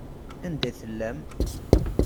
Anda i tellam?